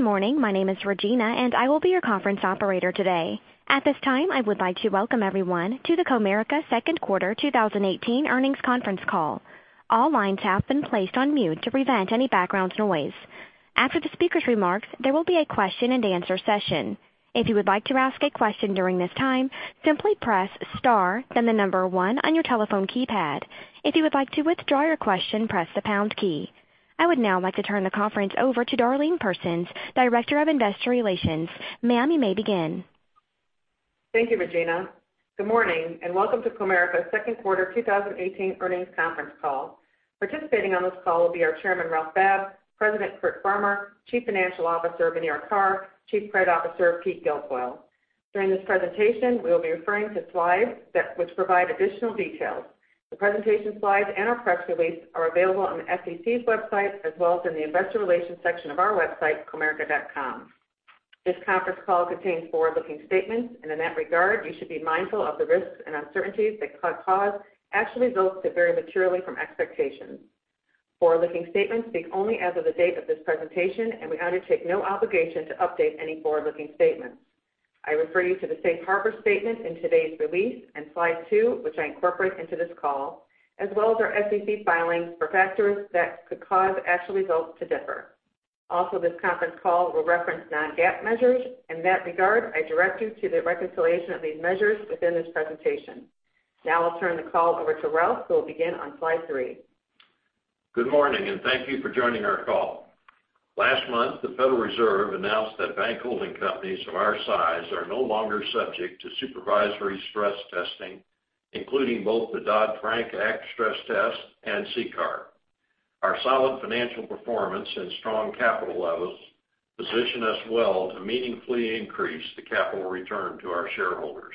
Good morning. My name is Regina. I will be your conference operator today. At this time, I would like to welcome everyone to the Comerica Second Quarter 2018 Earnings Conference Call. All lines have been placed on mute to prevent any background noise. After the speaker's remarks, there will be a question and answer session. If you would like to ask a question during this time, simply press star, the number one on your telephone keypad. If you would like to withdraw your question, press the pound key. I would now like to turn the conference over to Darlene Persons, Director of Investor Relations. Ma'am, you may begin. Thank you, Regina. Good morning. Welcome to Comerica's Second Quarter 2018 Earnings Conference Call. Participating on this call will be our Chairman, Ralph Babb, President, Curtis Farmer, Chief Financial Officer, Muneera Carr, Chief Credit Officer, Peter Guilfoile. During this presentation, we'll be referring to slides that would provide additional details. The presentation slides and our press release are available on the SEC's website, as well as in the investor relations section of our website, comerica.com. This conference call contains forward-looking statements. In that regard, you should be mindful of the risks and uncertainties that could cause actual results to vary materially from expectations. Forward-looking statements speak only as of the date of this presentation. We undertake no obligation to update any forward-looking statements. I refer you to the safe harbor statement in today's release in slide 2, which I incorporate into this call, as well as our SEC filings for factors that could cause actual results to differ. This conference call will reference non-GAAP measures. In that regard, I direct you to the reconciliation of these measures within this presentation. I'll turn the call over to Ralph, who will begin on slide 3. Good morning. Thank you for joining our call. Last month, the Federal Reserve announced that bank holding companies of our size are no longer subject to supervisory stress testing, including both the Dodd-Frank Act stress test and CCAR. Our solid financial performance and strong capital levels position us well to meaningfully increase the capital return to our shareholders.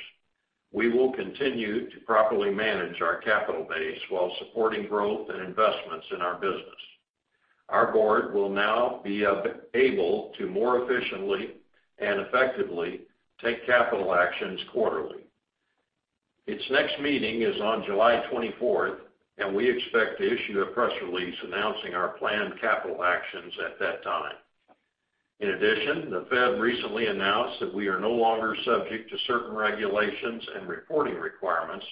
We will continue to properly manage our capital base while supporting growth and investments in our business. Our board will now be able to more efficiently and effectively take capital actions quarterly. Its next meeting is on July 24th. We expect to issue a press release announcing our planned capital actions at that time. In addition, the Fed recently announced that we are no longer subject to certain regulations and reporting requirements,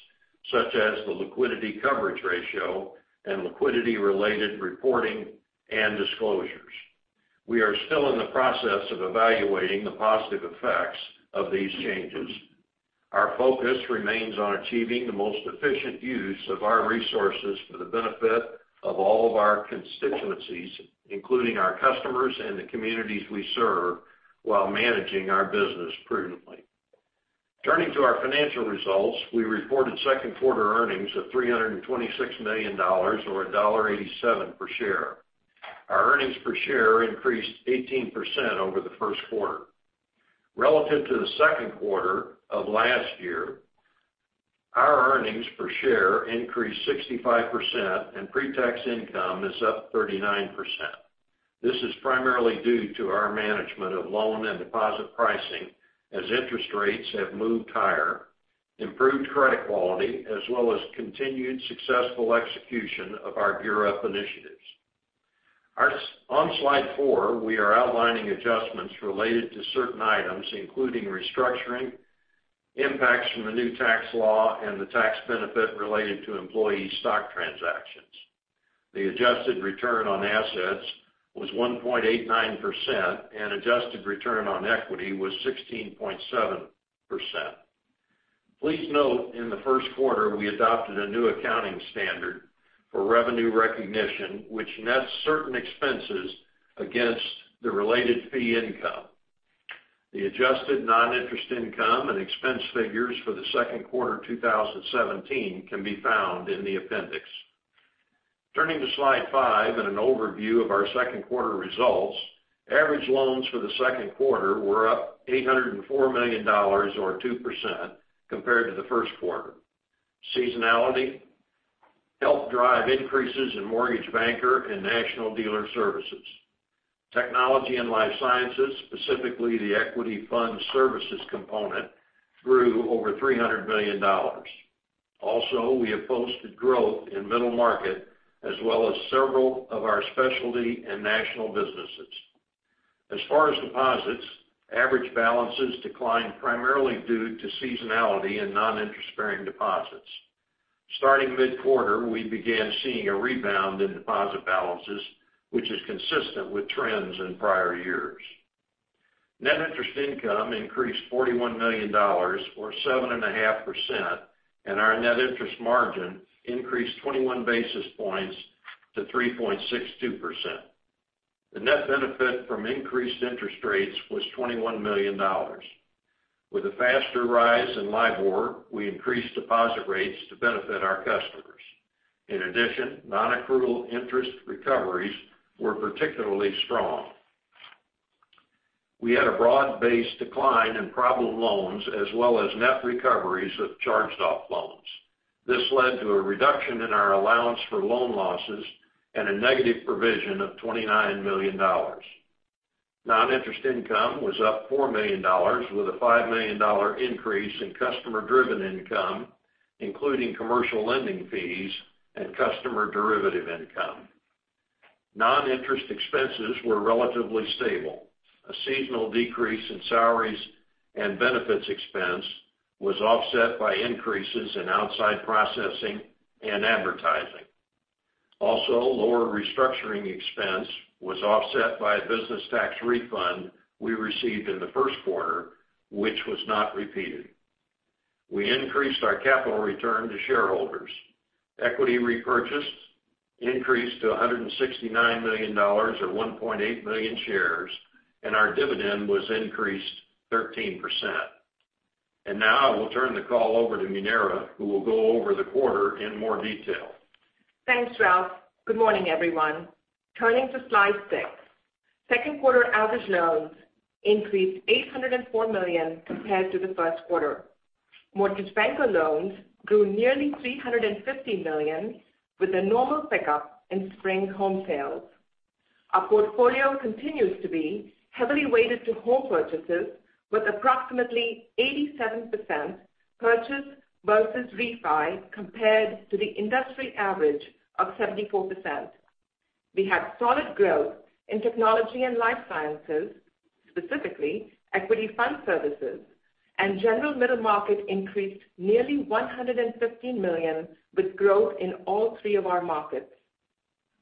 such as the liquidity coverage ratio and liquidity-related reporting and disclosures. We are still in the process of evaluating the positive effects of these changes. Our focus remains on achieving the most efficient use of our resources for the benefit of all of our constituencies, including our customers and the communities we serve, while managing our business prudently. Turning to our financial results, we reported second quarter earnings of $326 million, or $1.87 per share. Our earnings per share increased 18% over the first quarter. Relative to the second quarter of last year, our earnings per share increased 65%, and pre-tax income is up 39%. This is primarily due to our management of loan and deposit pricing, as interest rates have moved higher, improved credit quality, as well as continued successful execution of our GEAR Up initiatives. On slide four, we are outlining adjustments related to certain items, including restructuring, impacts from the new tax law, and the tax benefit related to employee stock transactions. The adjusted return on assets was 1.89%, and adjusted return on equity was 16.7%. Please note in the first quarter, we adopted a new accounting standard for revenue recognition, which nets certain expenses against the related fee income. The adjusted non-interest income and expense figures for the second quarter 2017 can be found in the appendix. Turning to slide five and an overview of our second quarter results, average loans for the second quarter were up $804 million or 2% compared to the first quarter. Seasonality helped drive increases in mortgage banker and national dealer services. Technology and life sciences, specifically the equity fund services component, grew over $300 million. Also, we have posted growth in middle market, as well as several of our specialty and national businesses. As far as deposits, average balances declined primarily due to seasonality and non-interest-bearing deposits. Starting mid-quarter, we began seeing a rebound in deposit balances, which is consistent with trends in prior years. Net interest income increased $41 million or 7.5%, and our net interest margin increased 21 basis points to 3.62%. The net benefit from increased interest rates was $21 million. With a faster rise in LIBOR, we increased deposit rates to benefit our customers. In addition, non-accrual interest recoveries were particularly strong. We had a broad-based decline in problem loans as well as net recoveries of charged-off loans. This led to a reduction in our allowance for loan losses and a negative provision of $29 million. Non-interest income was up $4 million, with a $5 million increase in customer-driven income including commercial lending fees and customer derivative income. Non-interest expenses were relatively stable. A seasonal decrease in salaries and benefits expense was offset by increases in outside processing and advertising. Also, lower restructuring expense was offset by a business tax refund we received in the first quarter, which was not repeated. We increased our capital return to shareholders. Equity repurchased increased to $169 million, or 1.8 million shares, and our dividend was increased 13%. Now I will turn the call over to Muneera, who will go over the quarter in more detail. Thanks, Ralph. Good morning, everyone. Turning to slide six. Second quarter average loans increased $804 million compared to the first quarter. Mortgage banker loans grew nearly $350 million with a normal pickup in spring home sales. Our portfolio continues to be heavily weighted to home purchases with approximately 87% purchase versus refi compared to the industry average of 74%. We had solid growth in technology and life sciences, specifically equity fund services. General middle market increased nearly $115 million with growth in all three of our markets.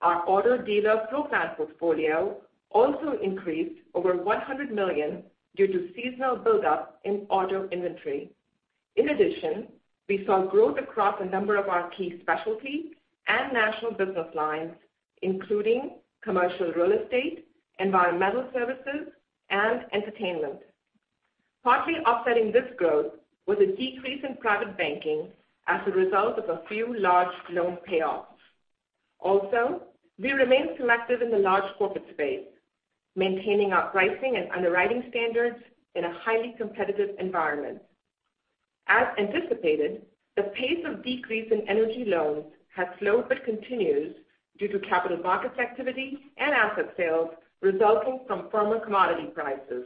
Our auto dealer floor plan portfolio also increased over $100 million due to seasonal build-up in auto inventory. In addition, we saw growth across a number of our key specialty and national business lines, including commercial real estate, environmental services, and entertainment. Partly offsetting this growth was a decrease in private banking as a result of a few large loan payoffs. We remain selective in the large corporate space, maintaining our pricing and underwriting standards in a highly competitive environment. As anticipated, the pace of decrease in energy loans has slowed but continues due to capital markets activity and asset sales resulting from firmer commodity prices.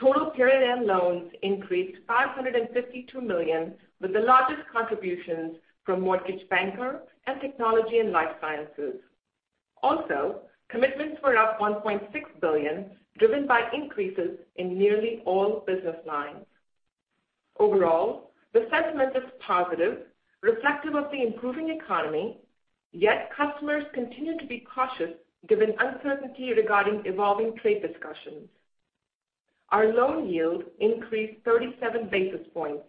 Total period end loans increased $552 million with the largest contributions from mortgage banker and technology and life sciences. Commitments were up $1.6 billion, driven by increases in nearly all business lines. Overall, the sentiment is positive, reflective of the improving economy, yet customers continue to be cautious given uncertainty regarding evolving trade discussions. Our loan yield increased 37 basis points.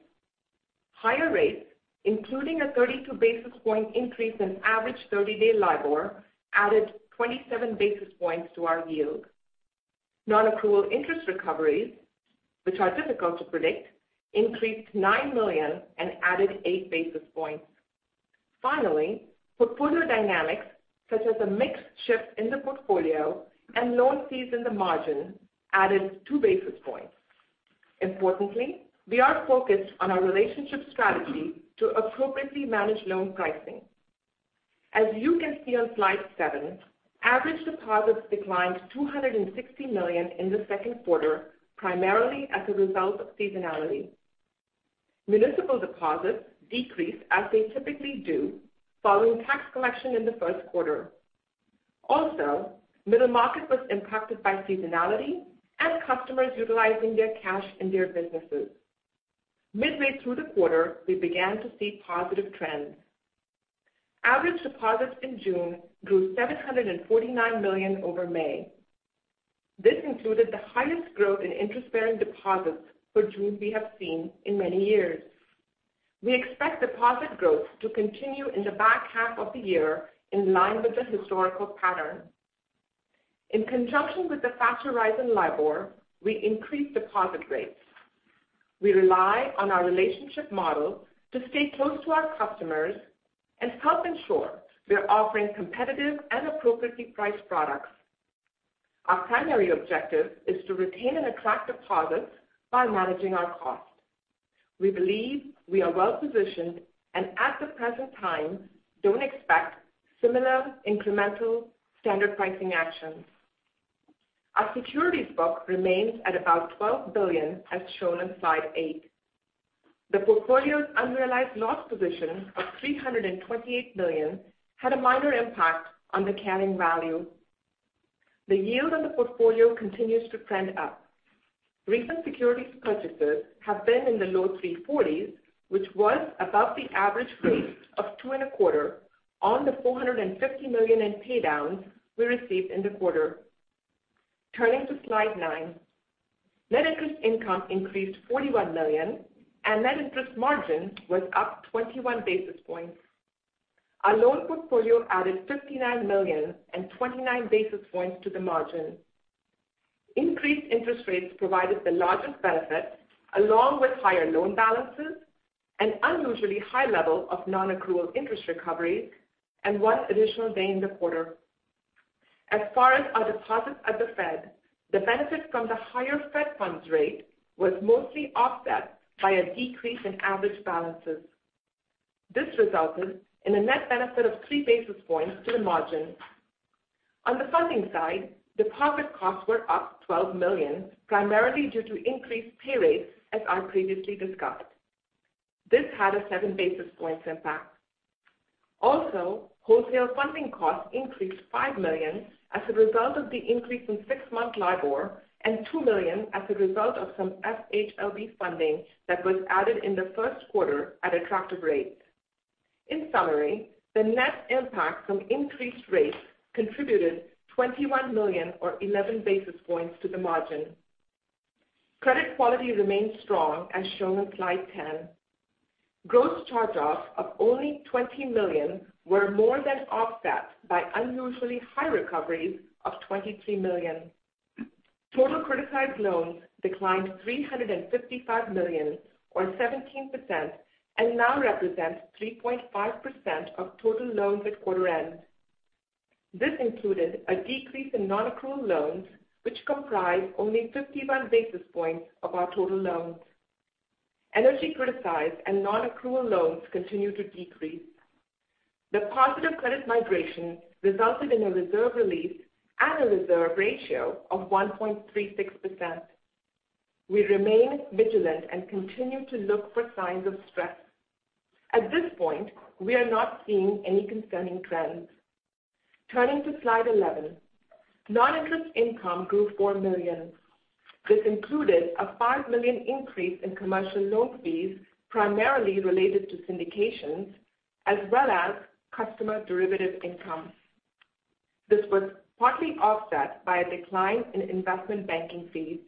Higher rates, including a 32 basis point increase in average 30-day LIBOR, added 27 basis points to our yield. Non-accrual interest recoveries, which are difficult to predict, increased $9 million and added eight basis points. Portfolio dynamics such as a mix shift in the portfolio and loan fees in the margin added two basis points. Importantly, we are focused on our relationship strategy to appropriately manage loan pricing. As you can see on slide seven, average deposits declined $260 million in the second quarter, primarily as a result of seasonality. Municipal deposits decreased as they typically do following tax collection in the first quarter. Middle market was impacted by seasonality and customers utilizing their cash in their businesses. Midway through the quarter, we began to see positive trends. Average deposits in June grew $749 million over May. This included the highest growth in interest-bearing deposits for June we have seen in many years. We expect deposit growth to continue in the back half of the year in line with the historical pattern. In conjunction with the faster rise in LIBOR, we increased deposit rates. We rely on our relationship model to stay close to our customers and help ensure we are offering competitive and appropriately priced products. Our primary objective is to retain and attract deposits by managing our cost. We believe we are well positioned and at the present time, don't expect similar incremental standard pricing actions. Our securities book remains at about $12 billion as shown on slide eight. The portfolio's unrealized loss position of $328 million had a minor impact on the carrying value. The yield on the portfolio continues to trend up. Recent securities purchases have been in the low 340s, which was above the average rate of two and a quarter on the $450 million in pay downs we received in the quarter. Turning to slide nine. Net interest income increased $41 million, net interest margin was up 21 basis points. Our loan portfolio added $59 million and 29 basis points to the margin. Increased interest rates provided the largest benefit, along with higher loan balances, an unusually high level of non-accrual interest recoveries, and one additional day in the quarter. As far as our deposits at the Fed, the benefit from the higher Fed funds rate was mostly offset by a decrease in average balances. This resulted in a net benefit of three basis points to the margin. On the funding side, deposit costs were up $12 million, primarily due to increased pay rates, as I previously discussed. This had a seven basis points impact. Wholesale funding costs increased $5 million as a result of the increase in six-month LIBOR, and $2 million as a result of some FHLB funding that was added in the first quarter at attractive rates. In summary, the net impact from increased rates contributed $21 million or 11 basis points to the margin. Credit quality remains strong, as shown on slide 10. Gross charge-offs of only $20 million were more than offset by unusually high recoveries of $23 million. Total criticized loans declined $355 million or 17%, and now represent 3.5% of total loans at quarter end. This included a decrease in non-accrual loans, which comprise only 51 basis points of our total loans. Energy criticized and non-accrual loans continue to decrease. The positive credit migration resulted in a reserve release and a reserve ratio of 1.36%. We remain vigilant and continue to look for signs of stress. At this point, we are not seeing any concerning trends. Turning to slide 11. Non-interest income grew $4 million. This included a $5 million increase in commercial loan fees, primarily related to syndications as well as customer derivative income. This was partly offset by a decline in investment banking fees.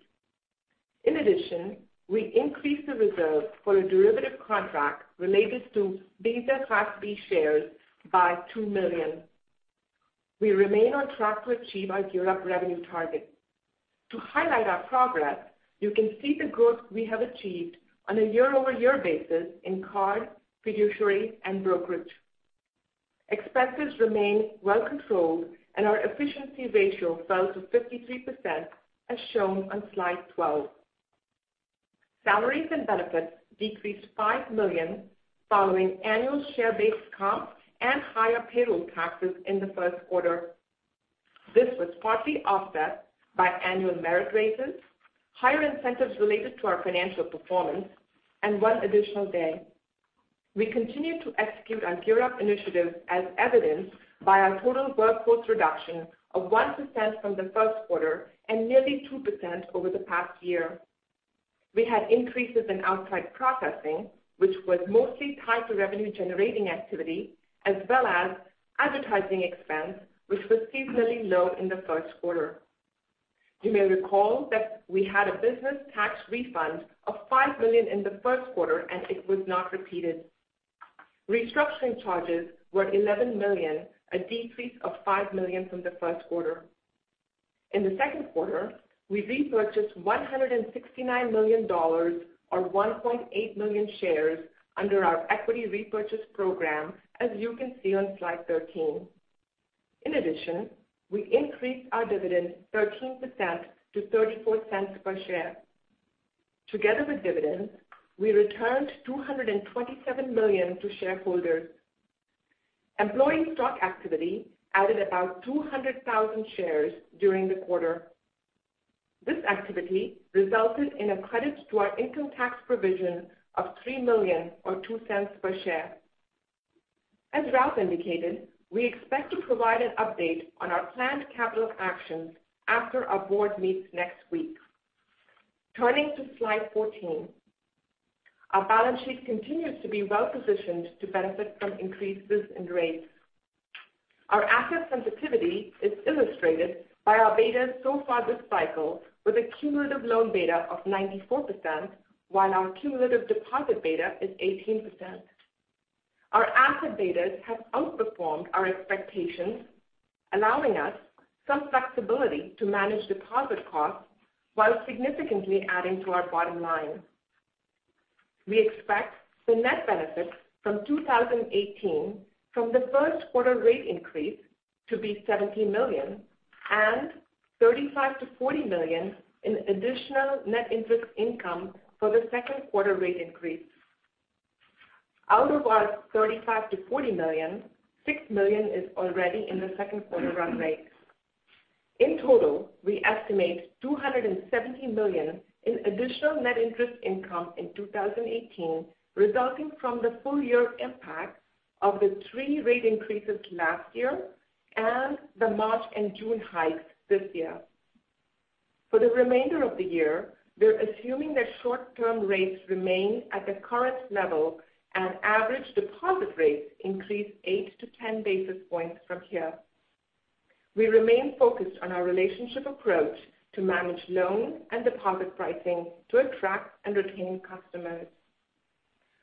In addition, we increased the reserve for a derivative contract related to Visa Class B shares by $2 million. We remain on track to achieve our GEAR Up revenue target. To highlight our progress, you can see the growth we have achieved on a year-over-year basis in card, fiduciary, and brokerage. Expenses remain well controlled, and our efficiency ratio fell to 53%, as shown on slide 12. Salaries and benefits decreased $5 million, following annual share-based comp and higher payroll taxes in the first quarter. This was partly offset by annual merit raises, higher incentives related to our financial performance, and one additional day. We continue to execute our GEAR Up initiatives as evidenced by our total workforce reduction of 1% from the first quarter and nearly 2% over the past year. We had increases in outside processing, which was mostly tied to revenue-generating activity, as well as advertising expense, which was seasonally low in the first quarter. You may recall that we had a business tax refund of $5 million in the first quarter, it was not repeated. Restructuring charges were $11 million, a decrease of $5 million from the first quarter. In the second quarter, we repurchased $169 million or 1.8 million shares under our equity repurchase program, as you can see on slide 13. In addition, we increased our dividend 13% to $0.34 per share. Together with dividends, we returned $227 million to shareholders. Employee stock activity added about 200,000 shares during the quarter. This activity resulted in a credit to our income tax provision of $3 million or $0.02 per share. As Ralph indicated, we expect to provide an update on our planned capital actions after our board meets next week. Turning to slide 14. Our balance sheet continues to be well-positioned to benefit from increases in rates. Our asset sensitivity is illustrated by our betas so far this cycle, with a cumulative loan beta of 94%, while our cumulative deposit beta is 18%. Our asset betas have outperformed our expectations, allowing us some flexibility to manage deposit costs while significantly adding to our bottom line. We expect the net benefit from 2018 from the first quarter rate increase to be $17 million and $35 million-$40 million in additional net interest income for the second quarter rate increase. Out of our $35 million-$40 million, $6 million is already in the second quarter run rate. In total, we estimate $270 million in additional net interest income in 2018, resulting from the full year impact of the three rate increases last year and the March and June hikes this year. For the remainder of the year, we're assuming that short-term rates remain at the current level and average deposit rates increase eight to 10 basis points from here. We remain focused on our relationship approach to manage loan and deposit pricing to attract and retain customers.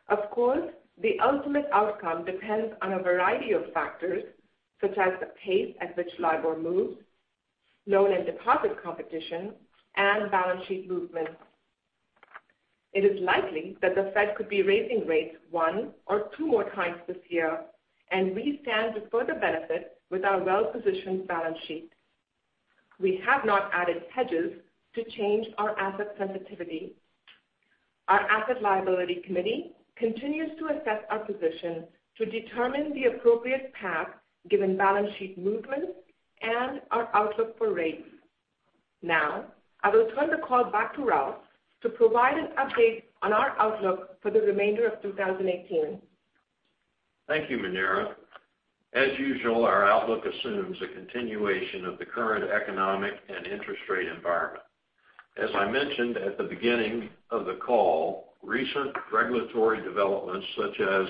Of course, the ultimate outcome depends on a variety of factors, such as the pace at which LIBOR moves, loan and deposit competition, and balance sheet movements. It is likely that the Fed could be raising rates one or two more times this year. We stand to further benefit with our well-positioned balance sheet. We have not added hedges to change our asset sensitivity. Our asset liability committee continues to assess our position to determine the appropriate path given balance sheet movement and our outlook for rates. I will turn the call back to Ralph to provide an update on our outlook for the remainder of 2018. Thank you, Muneera. As usual, our outlook assumes a continuation of the current economic and interest rate environment. As I mentioned at the beginning of the call, recent regulatory developments such as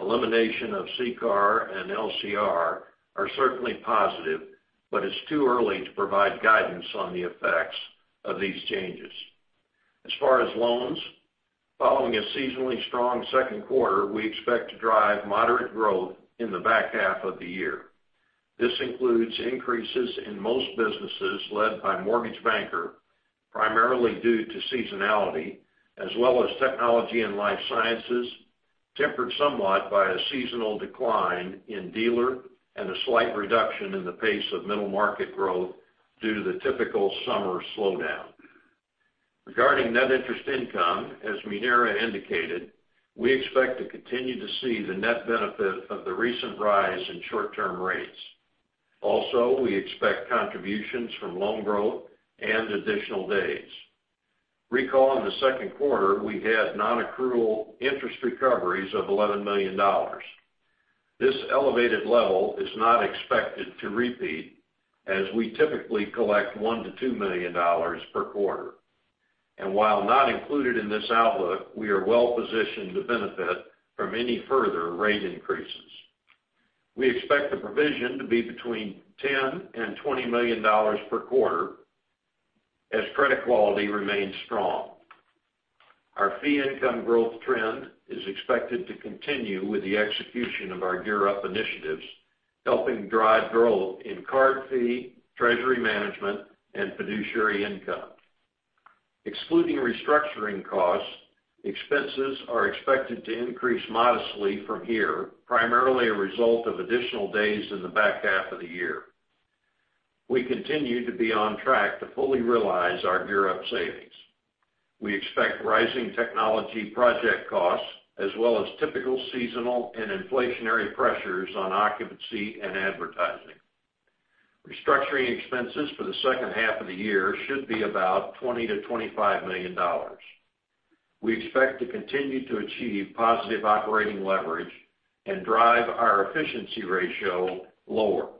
elimination of CCAR and LCR are certainly positive. It's too early to provide guidance on the effects of these changes. As far as loans, following a seasonally strong second quarter, we expect to drive moderate growth in the back half of the year. This includes increases in most businesses led by mortgage banker, primarily due to seasonality, as well as technology and life sciences, tempered somewhat by a seasonal decline in dealer and a slight reduction in the pace of middle market growth due to the typical summer slowdown. Regarding net interest income, as Muneera indicated, we expect to continue to see the net benefit of the recent rise in short-term rates. Also, we expect contributions from loan growth and additional days. Recall, in the second quarter, we had non-accrual interest recoveries of $11 million. This elevated level is not expected to repeat as we typically collect $1 million to $2 million per quarter. While not included in this outlook, we are well positioned to benefit from any further rate increases. We expect the provision to be between $10 million and $20 million per quarter as credit quality remains strong. Our fee income growth trend is expected to continue with the execution of our GEAR Up initiatives, helping drive growth in card fee, treasury management, and fiduciary income. Excluding restructuring costs, expenses are expected to increase modestly from here, primarily a result of additional days in the back half of the year. We continue to be on track to fully realize our GEAR Up savings. We expect rising technology project costs as well as typical seasonal and inflationary pressures on occupancy and advertising. Restructuring expenses for the second half of the year should be about $20 million to $25 million. We expect to continue to achieve positive operating leverage and drive our efficiency ratio lower.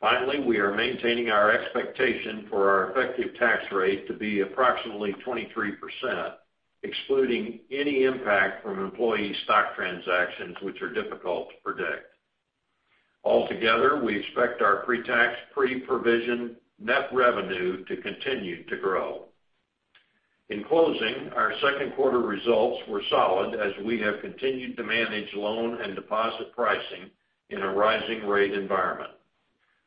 Finally, we are maintaining our expectation for our effective tax rate to be approximately 23%, excluding any impact from employee stock transactions, which are difficult to predict. Altogether, we expect our pre-tax, pre-provision net revenue to continue to grow. In closing, our second quarter results were solid as we have continued to manage loan and deposit pricing in a rising rate environment.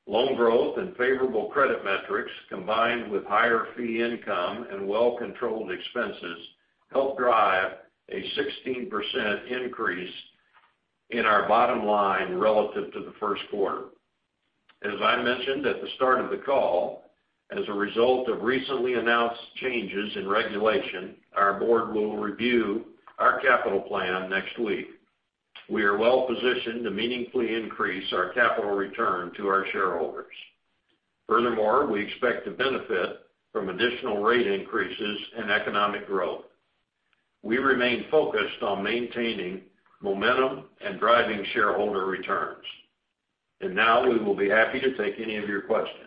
Loan growth and favorable credit metrics, combined with higher fee income and well-controlled expenses, helped drive a 16% increase in our bottom line relative to the first quarter. As I mentioned at the start of the call, as a result of recently announced changes in regulation, our board will review our capital plan next week. We are well positioned to meaningfully increase our capital return to our shareholders. Furthermore, we expect to benefit from additional rate increases and economic growth. We remain focused on maintaining momentum and driving shareholder returns. Now we will be happy to take any of your questions.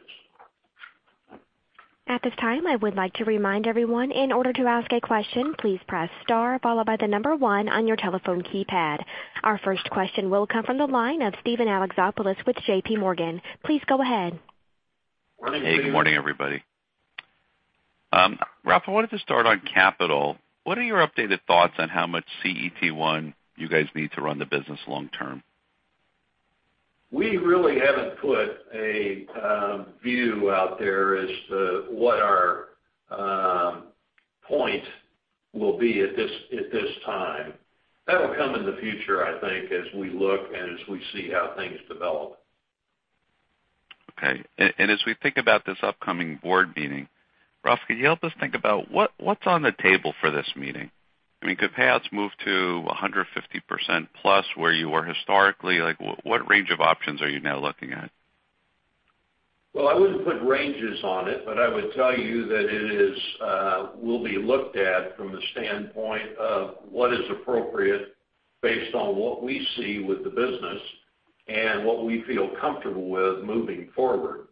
At this time, I would like to remind everyone, in order to ask a question, please press star followed by the number one on your telephone keypad. Our first question will come from the line of Steven Alexopoulos with JPMorgan. Please go ahead. Morning, Steven. Hey, good morning, everybody. Ralph, I wanted to start on capital. What are your updated thoughts on how much CET1 you guys need to run the business long term? We really haven't put a view out there as to what our point will be at this time. That'll come in the future, I think, as we look and as we see how things develop. Okay. As we think about this upcoming board meeting, Ralph, could you help us think about what's on the table for this meeting? Could payouts move to 150% plus where you were historically? What range of options are you now looking at? I wouldn't put ranges on it, I would tell you that it will be looked at from the standpoint of what is appropriate based on what we see with the business and what we feel comfortable with moving forward.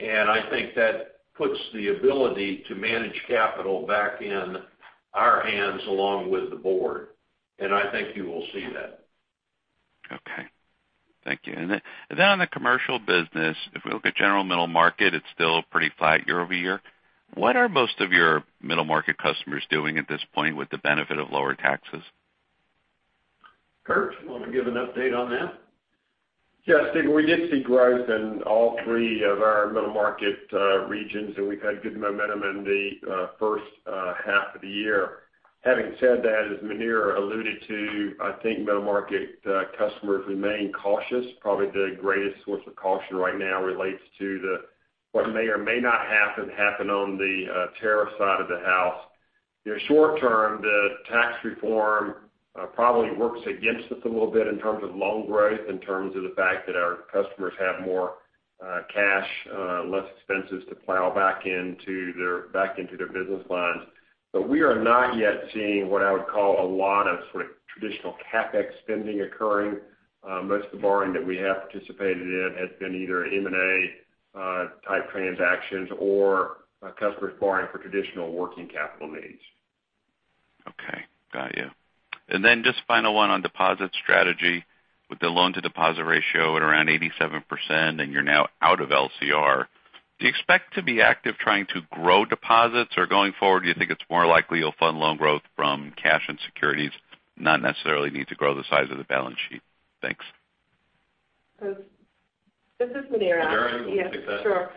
I think that puts the ability to manage capital back in our hands along with the board. I think you will see that. Okay. Thank you. Then on the commercial business, if we look at general middle market, it's still pretty flat year-over-year. What are most of your middle market customers doing at this point with the benefit of lower taxes? Kurt, you want to give an update on that? Yeah, Steven, we did see growth in all three of our middle market regions, we've had good momentum in the first half of the year. Having said that, as Muneera alluded to, I think middle market customers remain cautious. Probably the greatest source of caution right now relates to what may or may not happen on the tariff side of the house. In short term, the tax reform probably works against us a little bit in terms of loan growth, in terms of the fact that our customers have more cash, less expenses to plow back into their business lines. We are not yet seeing what I would call a lot of traditional CapEx spending occurring. Most of the borrowing that we have participated in has been either M&A type transactions or customers borrowing for traditional working capital needs. Okay. Got you. Just final one on deposit strategy. With the loan to deposit ratio at around 87% and you're now out of LCR, do you expect to be active trying to grow deposits? Going forward, do you think it's more likely you'll fund loan growth from cash and securities, not necessarily need to grow the size of the balance sheet? Thanks. This is Muneera. Muneera, you want to take that? Yeah, sure.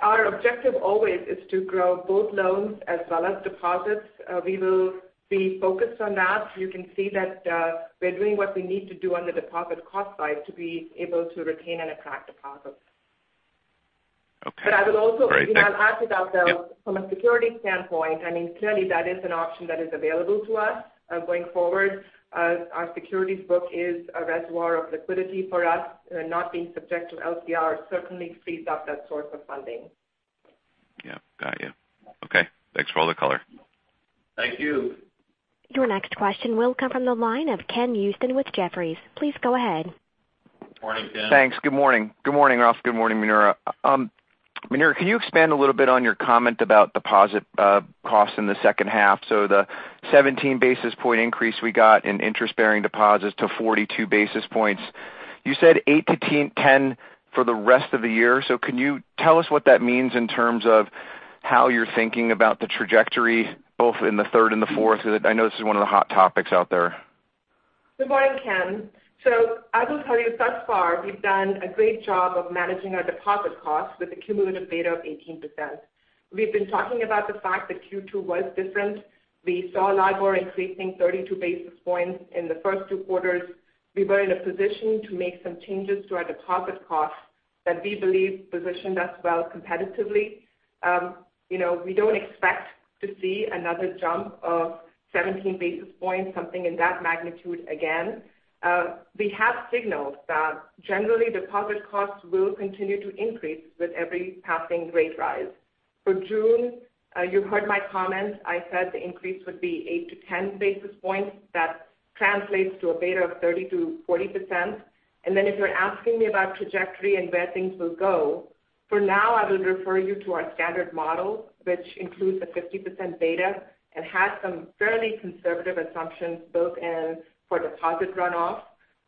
Our objective always is to grow both loans as well as deposits. We will be focused on that. You can see that we're doing what we need to do on the deposit cost side to be able to retain and attract deposits. Okay. All right. Thanks. I will also add to that, though, from a security standpoint, clearly that is an option that is available to us going forward. Our securities book is a reservoir of liquidity for us. Not being subject to LCR certainly frees up that source of funding. Yep, got you. Okay. Thanks for all the color. Thank you. Your next question will come from the line of Ken Usdin with Jefferies. Please go ahead. Morning, Ken. Thanks. Good morning. Good morning, Ralph. Good morning, Muneera. Muneera, can you expand a little bit on your comment about deposit costs in the second half? The 17 basis point increase we got in interest-bearing deposits to 42 basis points. You said eight to 10 for the rest of the year. Can you tell us what that means in terms of how you're thinking about the trajectory both in the third and the fourth? I know this is one of the hot topics out there. Good morning, Ken. I will tell you thus far, we've done a great job of managing our deposit costs with a cumulative beta of 18%. We've been talking about the fact that Q2 was different. We saw LIBOR increasing 32 basis points in the first two quarters. We were in a position to make some changes to our deposit costs that we believe positioned us well competitively. We don't expect to see another jump of 17 basis points, something in that magnitude again. We have signaled that generally deposit costs will continue to increase with every passing rate rise. For June, you heard my comments. I said the increase would be eight to 10 basis points. That translates to a beta of 30%-40%. If you're asking me about trajectory and where things will go, for now, I will refer you to our standard model, which includes a 50% beta and has some fairly conservative assumptions built in for deposit runoff.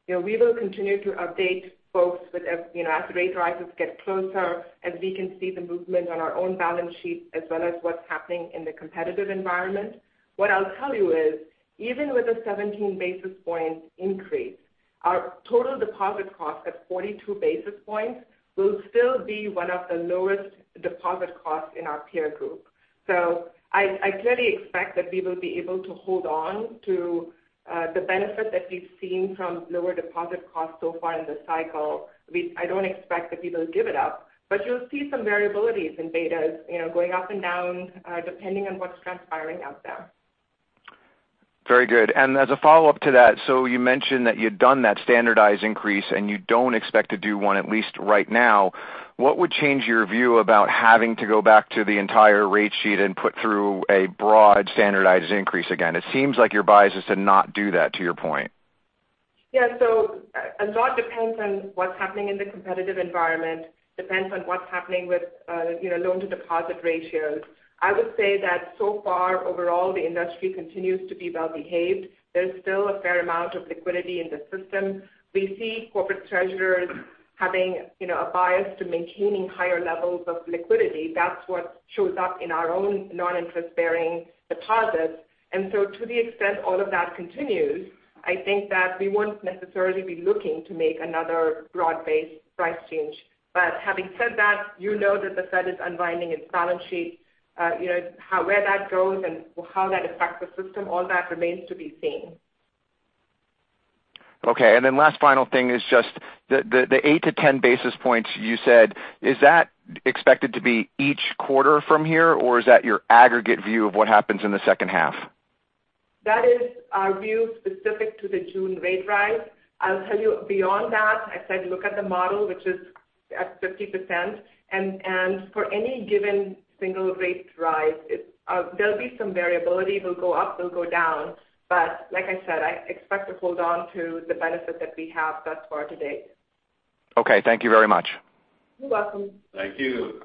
We will continue to update folks as rate rises get closer, as we can see the movement on our own balance sheet as well as what's happening in the competitive environment. What I'll tell you is even with a 17 basis points increase, our total deposit cost at 42 basis points will still be one of the lowest deposit costs in our peer group. I clearly expect that we will be able to hold on to the benefit that we've seen from lower deposit costs so far in the cycle. I don't expect that we will give it up, you'll see some variabilities in betas going up and down, depending on what's transpiring out there. Very good. As a follow-up to that, you mentioned that you'd done that standardized increase and you don't expect to do one at least right now. What would change your view about having to go back to the entire rate sheet and put through a broad standardized increase again? It seems like your bias is to not do that, to your point. A lot depends on what's happening in the competitive environment, depends on what's happening with loan to deposit ratios. I would say that so far overall, the industry continues to be well behaved. There's still a fair amount of liquidity in the system. We see corporate treasurers having a bias to maintaining higher levels of liquidity. That's what shows up in our own non-interest-bearing deposits. To the extent all of that continues, I think that we won't necessarily be looking to make another broad-based price change. Having said that, you know that the Fed is unwinding its balance sheet. Where that goes and how that affects the system, all that remains to be seen. Okay. Last final thing is just the 8-10 basis points you said, is that expected to be each quarter from here, or is that your aggregate view of what happens in the second half? That is our view specific to the June rate rise. I'll tell you beyond that, I said look at the model, which is at 50%. For any given single rate rise, there'll be some variability. It'll go up, it'll go down. Like I said, I expect to hold on to the benefit that we have thus far to date. Okay. Thank you very much. You're welcome. Thank you.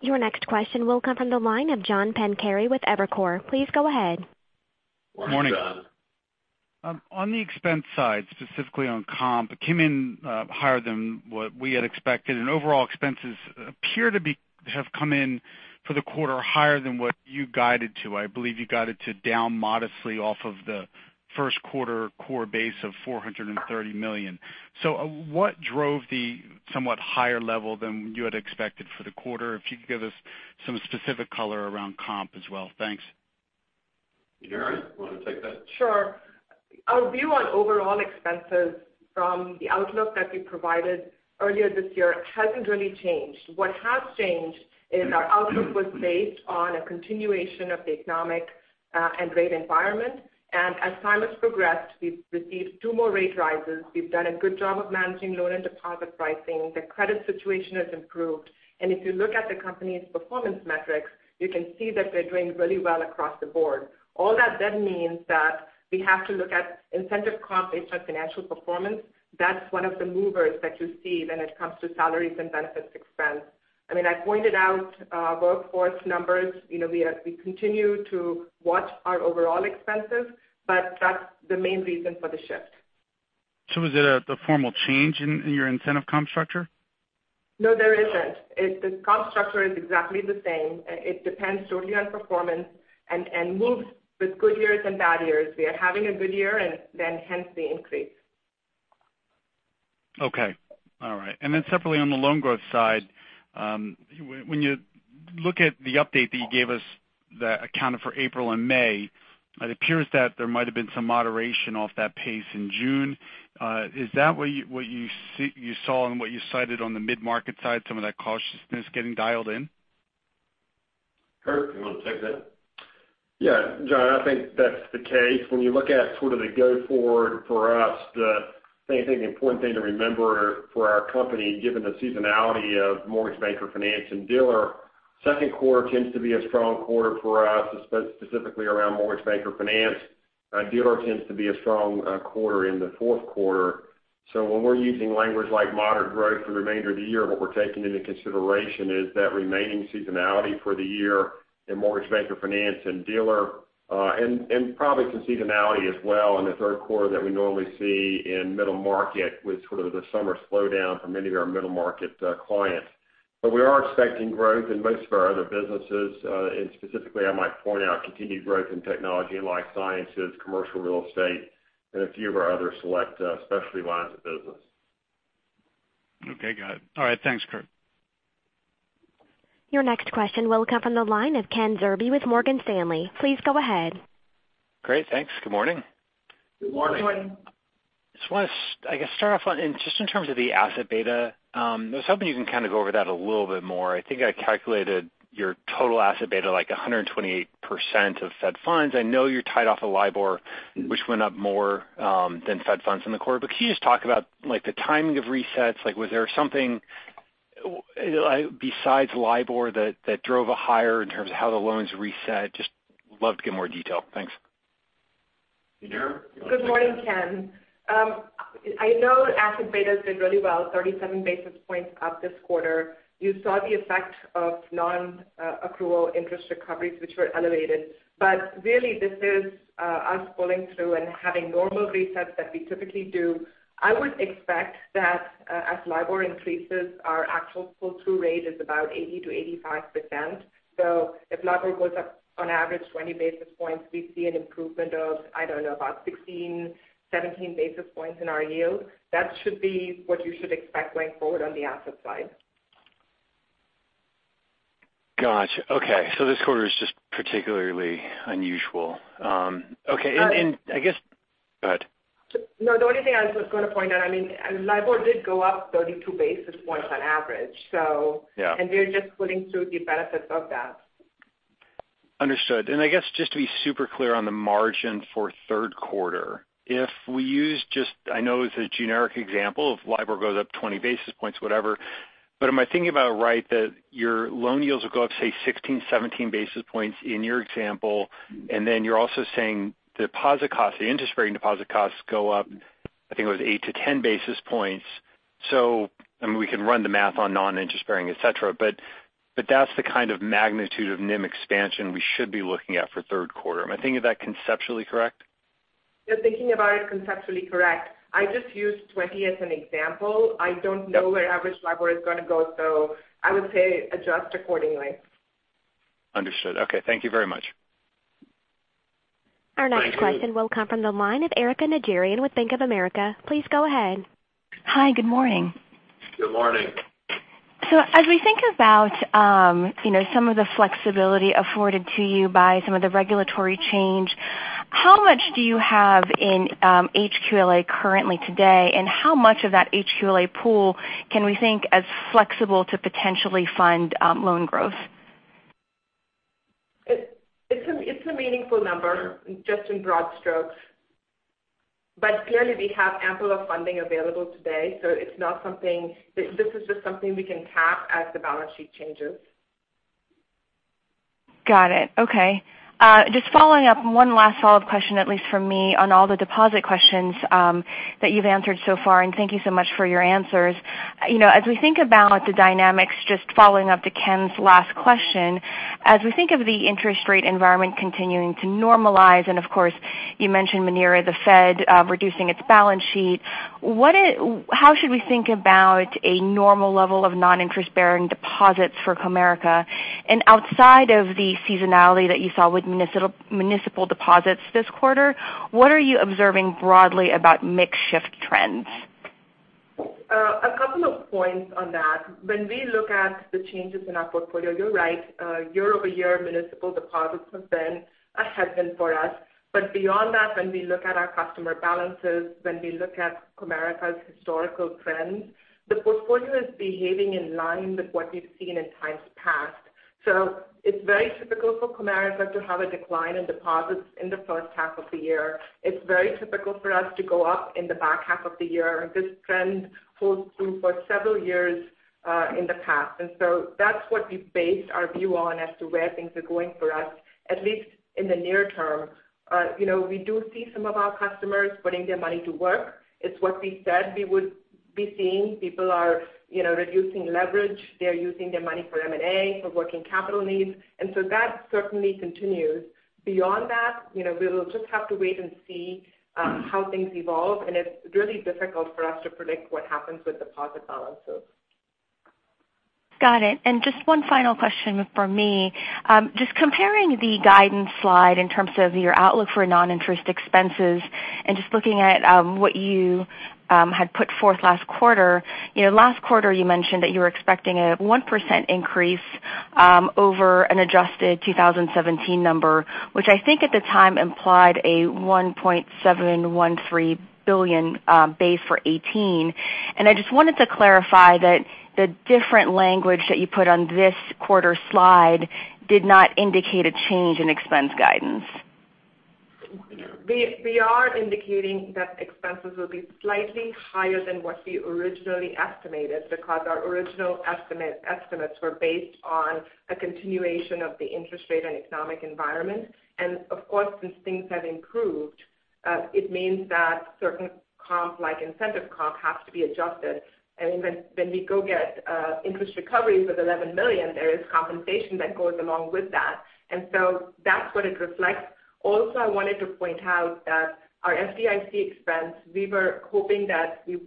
Your next question will come from the line of John Pancari with Evercore. Please go ahead. Morning, John. Morning. On the expense side, specifically on comp, it came in higher than what we had expected, and overall expenses appear to have come in for the quarter higher than what you guided to. I believe you guided to down modestly off of the first quarter core base of $430 million. What drove the somewhat higher level than you had expected for the quarter? If you could give us some specific color around comp as well. Thanks. Muneera, you want to take that? Sure. Our view on overall expenses from the outlook that we provided earlier this year hasn't really changed. What has changed is our outlook was based on a continuation of the economic and rate environment. As time has progressed, we've received two more rate rises. We've done a good job of managing loan and deposit pricing. The credit situation has improved. If you look at the company's performance metrics, you can see that they're doing really well across the board. All that means that we have to look at incentive comp based on financial performance. That's one of the movers that you see when it comes to salaries and benefits expense. I pointed out workforce numbers. We continue to watch our overall expenses, that's the main reason for the shift. Was it a formal change in your incentive comp structure? No, there isn't. The comp structure is exactly the same. It depends totally on performance and moves with good years and bad years. We are having a good year and hence the increase. Okay. All right. Separately on the loan growth side, when you look at the update that you gave us that accounted for April and May, it appears that there might have been some moderation off that pace in June. Is that what you saw and what you cited on the mid-market side, some of that cautiousness getting dialed in? Kurt, you want to take that? Yeah. John, I think that's the case. When you look at the go forward for us, I think the important thing to remember for our company, given the seasonality of mortgage banker finance and dealer, second quarter tends to be a strong quarter for us, specifically around mortgage banker finance. Dealer tends to be a strong quarter in the fourth quarter. When we're using language like moderate growth for the remainder of the year, what we're taking into consideration is that remaining seasonality for the year in mortgage banker finance and dealer, and probably some seasonality as well in the third quarter that we normally see in middle market with the summer slowdown for many of our middle market clients. We are expecting growth in most of our other businesses. Specifically, I might point out continued growth in technology and life sciences, commercial real estate, and a few of our other select specialty lines of business. Okay, got it. All right. Thanks, Kurt. Your next question will come from the line of Kenneth Zerbe with Morgan Stanley. Please go ahead. Great, thanks. Good morning. Good morning. Good morning. I guess start off on just in terms of the asset beta, I was hoping you can kind of go over that a little bit more. I think I calculated your total asset beta like 128% of Fed funds. I know you're tied off of LIBOR, which went up more than Fed funds in the quarter. Can you just talk about the timing of resets? Was there something besides LIBOR that drove a higher in terms of how the loans reset? Just would love to get more detail. Thanks. Muneera? Good morning, Ken. I know asset beta's been really well, 37 basis points up this quarter. You saw the effect of non-accrual interest recoveries, which were elevated. Really, this is us pulling through and having normal resets that we typically do. I would expect that as LIBOR increases, our actual pull-through rate is about 80%-85%. If LIBOR goes up on average 20 basis points, we see an improvement of, I don't know, about 16, 17 basis points in our yield. That should be what you should expect going forward on the asset side. Got you. Okay. This quarter is just particularly unusual. Right. Okay. Go ahead. No, the only thing I was just going to point out, LIBOR did go up 32 basis points on average. Yeah. We're just pulling through the benefits of that. Understood. I guess just to be super clear on the margin for third quarter, if we use just, I know it's a generic example of LIBOR goes up 20 basis points, whatever, but am I thinking about it right that your loan yields will go up, say 16, 17 basis points in your example, and then you're also saying deposit costs, the interest-bearing deposit costs go up, I think it was 8 to 10 basis points. We can run the math on non-interest bearing, et cetera, but that's the kind of magnitude of NIM expansion we should be looking at for third quarter. Am I thinking of that conceptually correct? You're thinking about it conceptually correct. I just used 20 as an example. I don't know where average LIBOR is going to go. I would say adjust accordingly. Understood. Okay. Thank you very much. Thanks, Ken. Our next question will come from the line of Erika Najarian with Bank of America. Please go ahead. Hi, good morning. Good morning. As we think about some of the flexibility afforded to you by some of the regulatory change, how much do you have in HQLA currently today, and how much of that HQLA pool can we think as flexible to potentially fund loan growth? It's a meaningful number, just in broad strokes. Clearly we have ample of funding available today, so this is just something we can tap as the balance sheet changes. Got it. Okay. Just following up, one last follow-up question, at least from me, on all the deposit questions that you've answered so far, and thank you so much for your answers. As we think about the dynamics, just following up to Ken's last question, as we think of the interest rate environment continuing to normalize, of course, you mentioned, Muneera, the Fed reducing its balance sheet, how should we think about a normal level of non-interest-bearing deposits for Comerica? Outside of the seasonality that you saw with municipal deposits this quarter, what are you observing broadly about mix shift trends? A couple of points on that. When we look at the changes in our portfolio, you're right. Year-over-year municipal deposits have been a headwind for us. Beyond that, when we look at our customer balances, when we look at Comerica's historical trends, the portfolio is behaving in line with what we've seen in times past. It's very typical for Comerica to have a decline in deposits in the first half of the year. It's very typical for us to go up in the back half of the year. This trend holds true for several years in the past. That's what we based our view on as to where things are going for us, at least in the near term. We do see some of our customers putting their money to work. It's what we said we would be seeing. People are reducing leverage. They're using their money for M&A, for working capital needs. That certainly continues. Beyond that, we will just have to wait and see how things evolve, it's really difficult for us to predict what happens with deposit balances. Got it. Just one final question from me. Just comparing the guidance slide in terms of your outlook for non-interest expenses and just looking at what you had put forth last quarter. Last quarter you mentioned that you were expecting a 1% increase over an adjusted 2017 number, which I think at the time implied a $1.713 billion base for 2018. I just wanted to clarify that the different language that you put on this quarter's slide did not indicate a change in expense guidance. We are indicating that expenses will be slightly higher than what we originally estimated because our original estimates were based on a continuation of the interest rate and economic environment. Of course, since things have improved, it means that certain comps, like incentive comp, have to be adjusted. When we go get interest recoveries with $11 million, there is compensation that goes along with that. So that's what it reflects. Also, I wanted to point out that our FDIC expense, we were hoping that the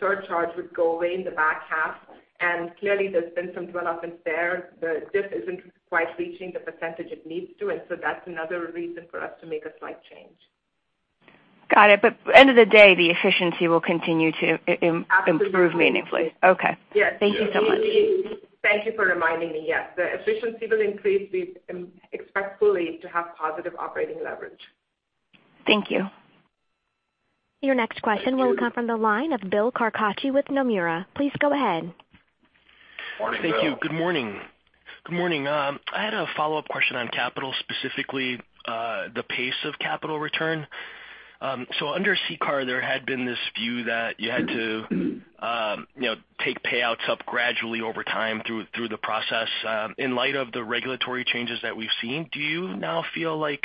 surcharge would go away in the back half, and clearly there's been some runoff there. The diff isn't quite reaching the percentage it needs to, and so that's another reason for us to make a slight change. Got it. End of the day, the efficiency will continue to improve meaningfully. Absolutely. Okay. Yes. Thank you so much. Thank you for reminding me. Yes. The efficiency will increase. We expect fully to have positive operating leverage. Thank you. Your next question will come from the line of Bill Carcache with Nomura. Please go ahead. Morning, Bill. Thank you. Good morning. I had a follow-up question on capital, specifically the pace of capital return. Under CCAR, there had been this view that you had to take payouts up gradually over time through the process. In light of the regulatory changes that we've seen, do you now feel like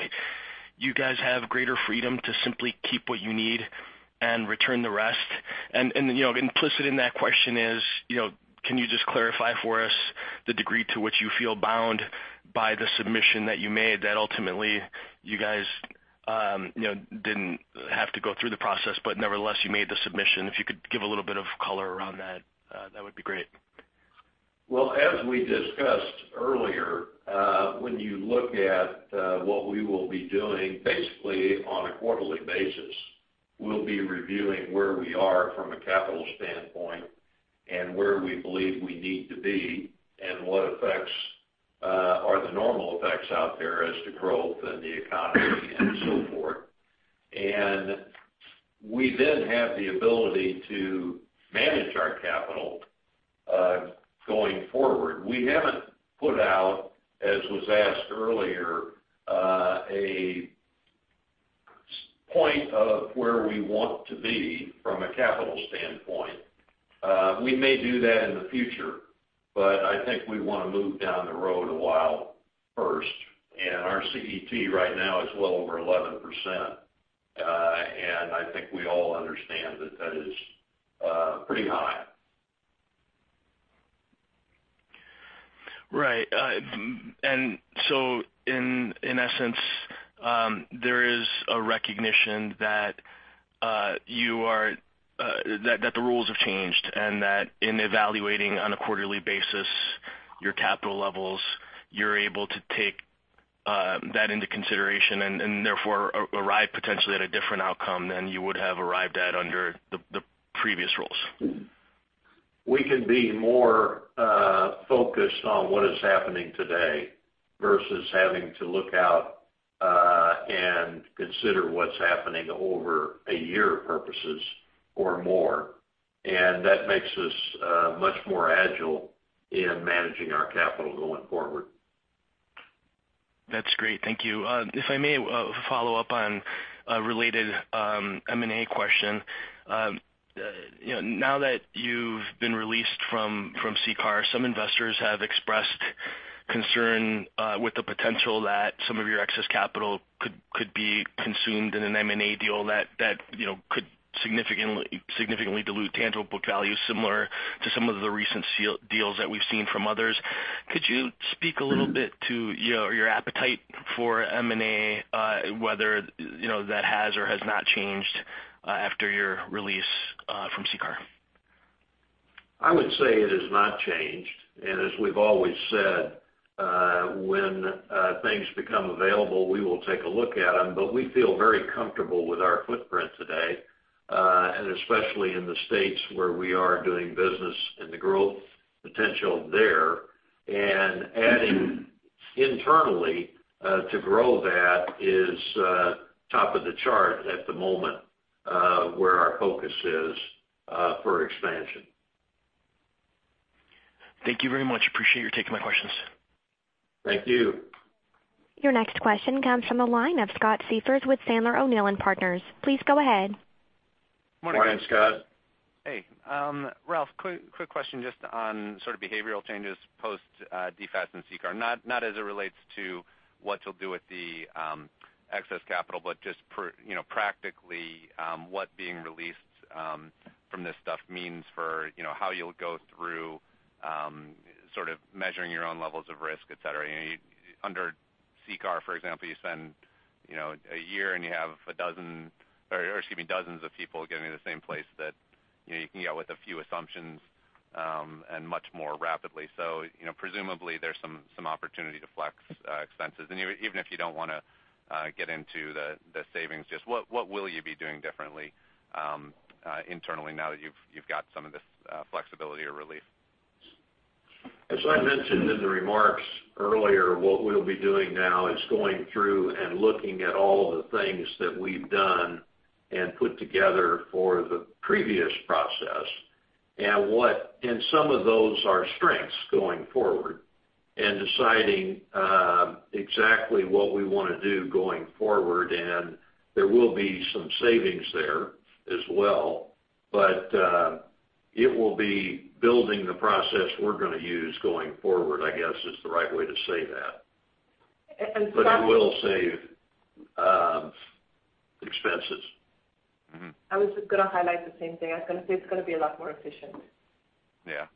you guys have greater freedom to simply keep what you need and return the rest? Implicit in that question is, can you just clarify for us the degree to which you feel bound by the submission that you made that ultimately you guys didn't have to go through the process, but nevertheless you made the submission? If you could give a little bit of color around that would be great. As we discussed earlier, when you look at what we will be doing basically on a quarterly basis, we'll be reviewing where we are from a capital standpoint and where we believe we need to be and what effects are the normal effects out there as to growth in the economy and so forth. We then have the ability to manage our capital going forward. We haven't put out, as was asked earlier, a point of where we want to be from a capital standpoint. We may do that in the future, but I think we want to move down the road a while first. Our CET right now is well over 11%, and I think we all understand that that is pretty high. Right. In essence, there is a recognition that the rules have changed and that in evaluating on a quarterly basis your capital levels, you're able to take that into consideration and therefore arrive potentially at a different outcome than you would have arrived at under the previous rules. We can be more focused on what is happening today versus having to look out and consider what's happening over a year purposes or more. That makes us much more agile in managing our capital going forward. That's great. Thank you. If I may follow up on a related M&A question. Now that you've been released from CCAR, some investors have expressed concern with the potential that some of your excess capital could be consumed in an M&A deal that could significantly dilute tangible book value, similar to some of the recent deals that we've seen from others. Could you speak a little bit to your appetite for M&A, whether that has or has not changed after your release from CCAR? I would say it has not changed. As we've always said, when things become available, we will take a look at them, we feel very comfortable with our footprint today, especially in the states where we are doing business and the growth potential there. Adding internally to grow that is top of the chart at the moment, where our focus is for expansion. Thank you very much. Appreciate you taking my questions. Thank you. Your next question comes from the line of Scott Siefers with Sandler O'Neill & Partners. Please go ahead. Morning, Scott. Hey. Ralph, quick question just on sort of behavioral changes post DFAST and CCAR, not as it relates to what you'll do with the excess capital, but just practically what being released from this stuff means for how you'll go through sort of measuring your own levels of risk, et cetera. Under CCAR, for example, you spend a year, you have dozens of people getting in the same place that you can get with a few assumptions, much more rapidly. Presumably, there's some opportunity to flex expenses. Even if you don't want to get into the savings just, what will you be doing differently internally now that you've got some of this flexibility or relief? As I mentioned in the remarks earlier, what we'll be doing now is going through and looking at all the things that we've done and put together for the previous process, and some of those are strengths going forward, and deciding exactly what we want to do going forward, and there will be some savings there as well. It will be building the process we're going to use going forward, I guess, is the right way to say that. Scott. It will save expenses. I was just going to highlight the same thing. I was going to say it's going to be a lot more efficient. Yeah.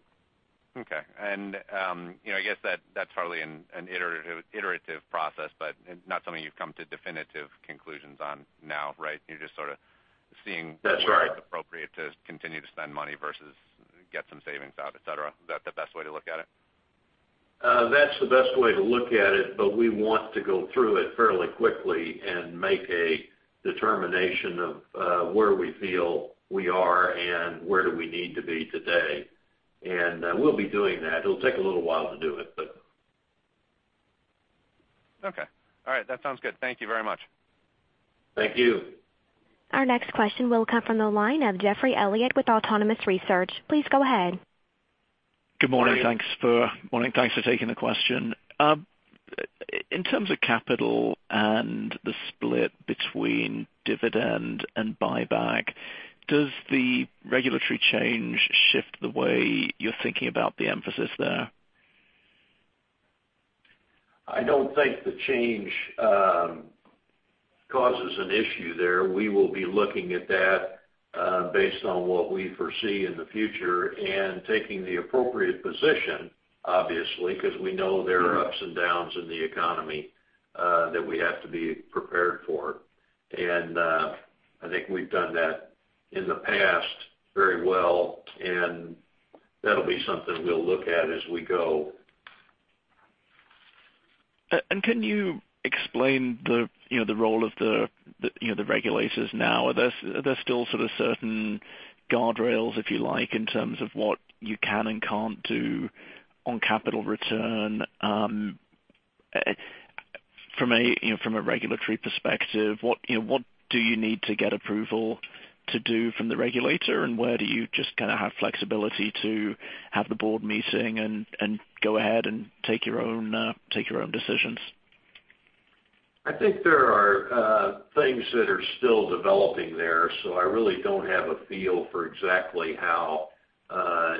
Okay. I guess that's hardly an iterative process, but not something you've come to definitive conclusions on now, right? You're just sort of. That's right. where it's appropriate to continue to spend money versus get some savings out, et cetera. Is that the best way to look at it? That's the best way to look at it, but we want to go through it fairly quickly and make a determination of where we feel we are and where do we need to be today. We'll be doing that. It'll take a little while to do it, but Okay. All right. That sounds good. Thank you very much. Thank you. Our next question will come from the line of Geoffrey Elliott with Autonomous Research. Please go ahead. Morning. Good morning. Thanks for taking the question. In terms of capital and the split between dividend and buyback, does the regulatory change shift the way you're thinking about the emphasis there? I don't think the change causes an issue there. We will be looking at that based on what we foresee in the future and taking the appropriate position, obviously, because we know there are ups and downs in the economy that we have to be prepared for. I think we've done that in the past very well, and that'll be something we'll look at as we go. Can you explain the role of the regulators now? Are there still sort of certain guardrails, if you like, in terms of what you can and can't do on capital return? From a regulatory perspective, what do you need to get approval to do from the regulator, and where do you just kind of have flexibility to have the board meeting and go ahead and take your own decisions? I think there are things that are still developing there, so I really don't have a feel for exactly how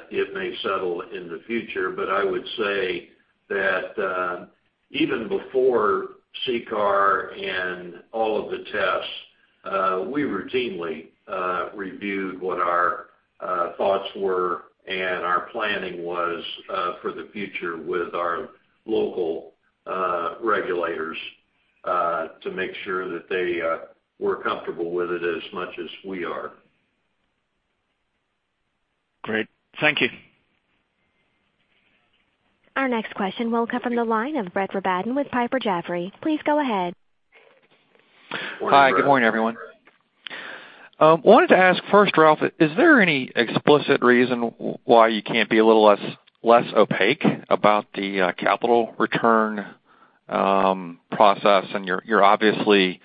it may settle in the future. I would say that even before CCAR and all of the tests, we routinely reviewed what our thoughts were and our planning was for the future with our local regulators, to make sure that they were comfortable with it as much as we are. Great. Thank you. Our next question will come from the line of Brett Rabatin with Piper Jaffray. Please go ahead. Morning, Brett. Hi, good morning, everyone. Wanted to ask first, Ralph, is there any explicit reason why you can't be a little less opaque about the capital return process? You're obviously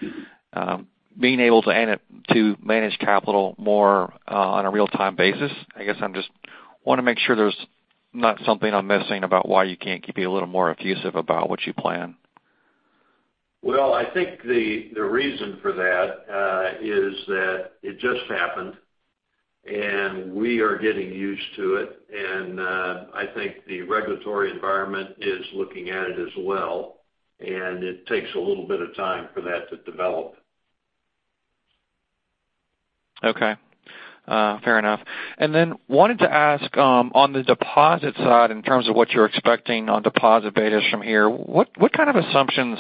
being able to manage capital more on a real-time basis. I guess I just want to make sure there's not something I'm missing about why you can't be a little more effusive about what you plan. Well, I think the reason for that is that it just happened, and we are getting used to it. I think the regulatory environment is looking at it as well, and it takes a little bit of time for that to develop. Okay. Fair enough. Then wanted to ask on the deposit side, in terms of what you're expecting on deposit betas from here, what kind of assumptions.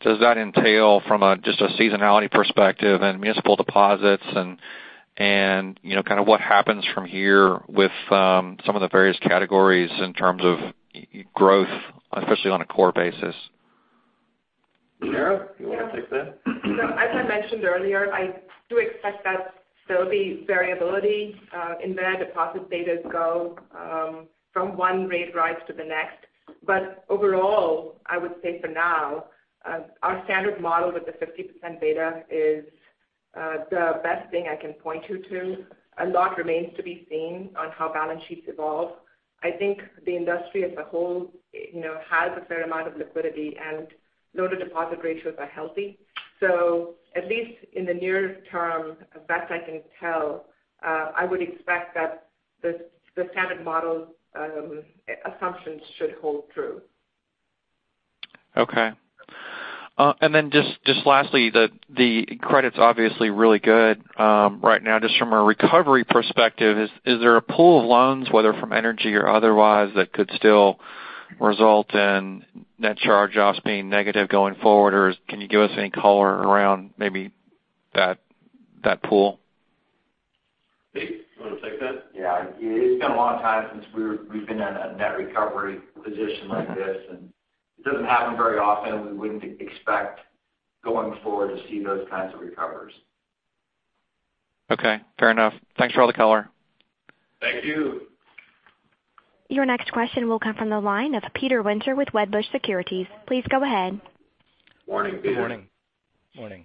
Does that entail from just a seasonality perspective and municipal deposits and kind of what happens from here with some of the various categories in terms of growth, especially on a core basis? Muneera, you want to take that? As I mentioned earlier, I do expect that there'll be variability in where deposit betas go from one rate rise to the next. Overall, I would say for now, our standard model with the 50% beta is the best thing I can point you to. A lot remains to be seen on how balance sheets evolve. I think the industry as a whole has a fair amount of liquidity, and loan-to-deposit ratios are healthy. At least in the near term, best I can tell, I would expect that the standard model assumptions should hold true. Okay. Just lastly, the credit's obviously really good right now. Just from a recovery perspective, is there a pool of loans, whether from energy or otherwise, that could still result in net charge-offs being negative going forward? Can you give us any color around maybe that pool? Pete, you want to take that? Yeah. It's been a long time since we've been in a net recovery position like this, and it doesn't happen very often. We wouldn't expect going forward to see those kinds of recoveries. Okay, fair enough. Thanks for all the color. Thank you. Your next question will come from the line of Peter Winter with Wedbush Securities. Please go ahead. Morning, Peter. Morning.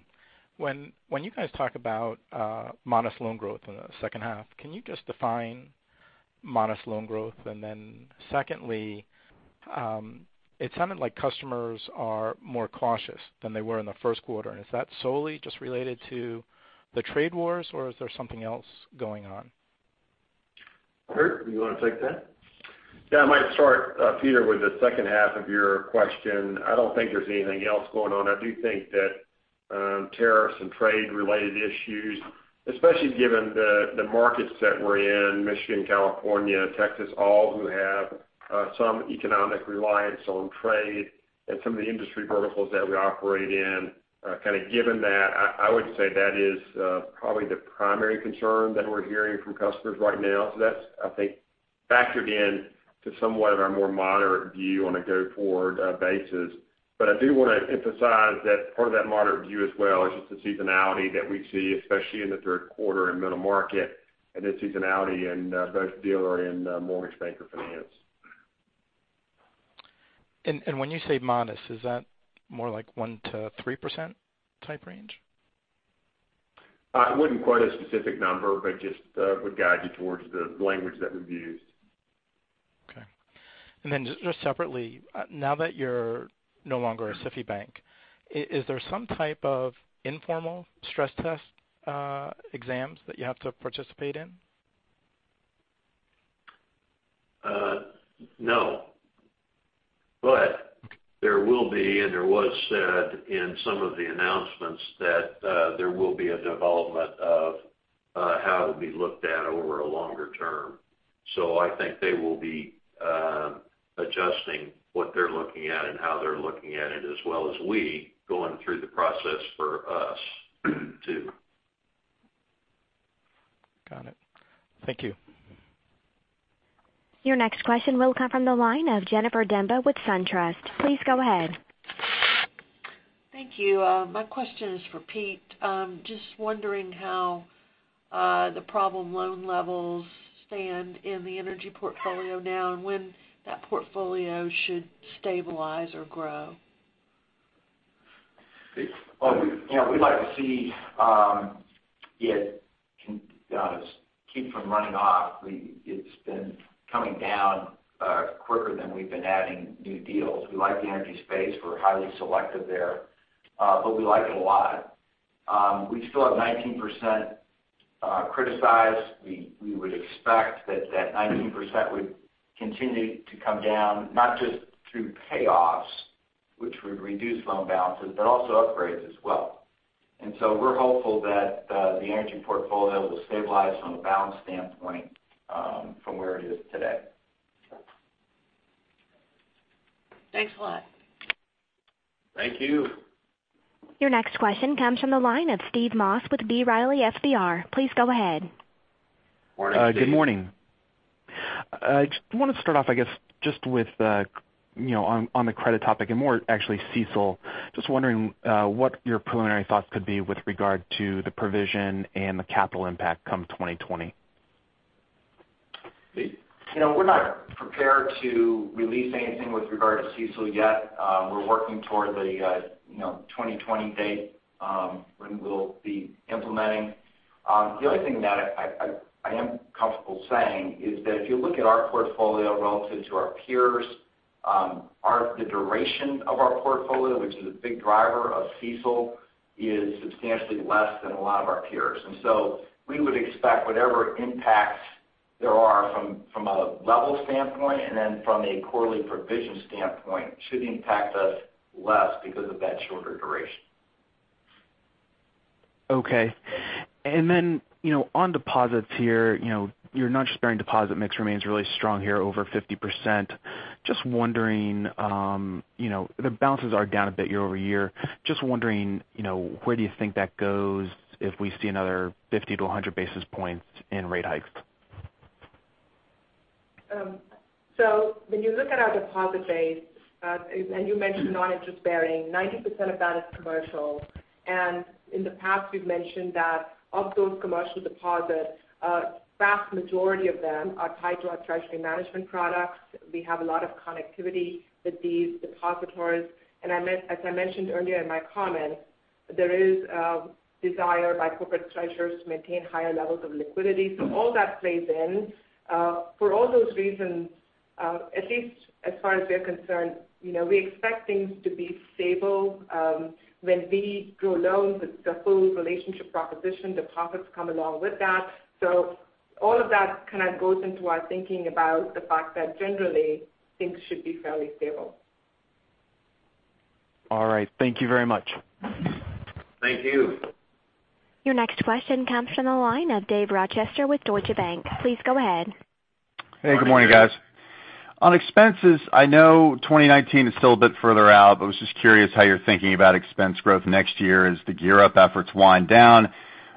When you guys talk about modest loan growth in the second half, can you just define modest loan growth? Secondly, it sounded like customers are more cautious than they were in the first quarter. Is that solely just related to the trade wars or is there something else going on? Kurt, do you want to take that? Yeah, I might start, Peter, with the second half of your question. I don't think there's anything else going on. I do think that tariffs and trade-related issues, especially given the markets that we're in, Michigan, California, Texas, all who have some economic reliance on trade and some of the industry verticals that we operate in, kind of given that, I would say that is probably the primary concern that we're hearing from customers right now. That's, I think, factored in to somewhat of our more moderate view on a go-forward basis. I do want to emphasize that part of that moderate view as well is just the seasonality that we see, especially in the third quarter and middle market, and then seasonality in both dealer and mortgage banker finance. When you say modest, is that more like 1%-3% type range? I wouldn't quote a specific number, but just would guide you towards the language that we've used. Okay. Just separately, now that you're no longer a SIFI bank, is there some type of informal stress test exams that you have to participate in? No. There will be, and there was said in some of the announcements that there will be a development of how it will be looked at over a longer term. I think they will be adjusting what they're looking at and how they're looking at it, as well as we going through the process for us too. Got it. Thank you. Your next question will come from the line of Jennifer Demba with SunTrust. Please go ahead. Thank you. My question is for Pete. Just wondering how the problem loan levels stand in the energy portfolio now, and when that portfolio should stabilize or grow. Pete? Well, we'd like to see it keep from running off. It's been coming down quicker than we've been adding new deals. We like the energy space. We're highly selective there. We like it a lot. We still have 19% criticized. We would expect that that 19% would continue to come down, not just through payoffs, which would reduce loan balances, but also upgrades as well. We're hopeful that the energy portfolio will stabilize from a balance standpoint from where it is today. Thanks a lot. Thank you. Your next question comes from the line of Steve Moss with B. Riley FBR. Please go ahead. Morning, Steve. Good morning. I just wanted to start off, I guess, just on the credit topic, and more actually CECL. Wondering what your preliminary thoughts could be with regard to the provision and the capital impact come 2020. Pete. We're not prepared to release anything with regard to CECL yet. We're working toward the 2020 date when we'll be implementing. The only thing that I am comfortable saying is that if you look at our portfolio relative to our peers, the duration of our portfolio, which is a big driver of CECL, is substantially less than a lot of our peers. We would expect whatever impacts there are from a level standpoint and then from a quarterly provision standpoint, should impact us less because of that shorter duration. Okay. On deposits here, your non-interest-bearing deposit mix remains really strong here over 50%. The balances are down a bit year-over-year. Wondering where do you think that goes if we see another 50 to 100 basis points in rate hikes? When you look at our deposit base, you mentioned non-interest-bearing, 90% of that is commercial. In the past, we've mentioned that of those commercial deposits, a vast majority of them are tied to our treasury management products. We have a lot of connectivity with these depositories. As I mentioned earlier in my comments, there is a desire by corporate treasurers to maintain higher levels of liquidity. All that plays in. For all those reasons, at least as far as we're concerned, we expect things to be stable. When we grow loans with the full relationship proposition, deposits come along with that. All of that kind of goes into our thinking about the fact that generally things should be fairly stable. All right. Thank you very much. Thank you. Your next question comes from the line of Dave Rochester with Deutsche Bank. Please go ahead. Good morning, Dave. Hey, good morning, guys. On expenses, I know 2019 is still a bit further out, but was just curious how you're thinking about expense growth next year as the GEAR Up efforts wind down,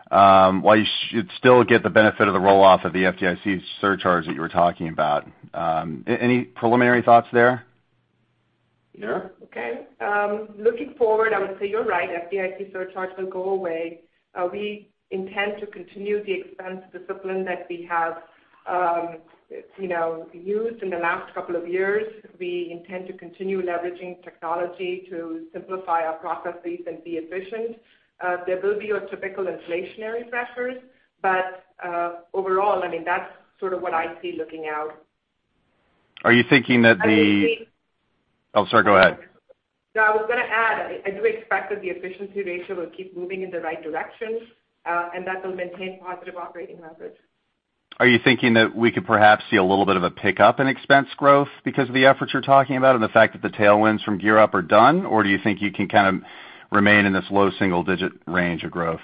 while you should still get the benefit of the roll-off of the FDIC surcharge that you were talking about. Any preliminary thoughts there? Sure. Yeah. Okay. Looking forward, I would say you're right, FDIC surcharge will go away. We intend to continue the expense discipline that we have used in the last couple of years. We intend to continue leveraging technology to simplify our processes and be efficient. There will be your typical inflationary pressures, but overall, I mean, that's sort of what I see looking out. Are you thinking that the- I would think- Oh, sorry, go ahead. No, I was going to add, I do expect that the efficiency ratio will keep moving in the right direction, and that will maintain positive operating leverage. Are you thinking that we could perhaps see a little bit of a pickup in expense growth because of the efforts you're talking about, and the fact that the tailwinds from GEAR Up are done? Or do you think you can kind of remain in this low single-digit range of growth?